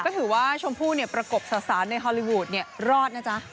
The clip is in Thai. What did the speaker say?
ก็ถือว่าชมพู่ประกบสาวในฮอลลี่วูดรอดนะจ๊ะ